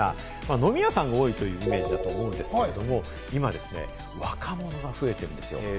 飲み屋さんが多いというイメージだと思うんですけれども、今、若者が増えているんです。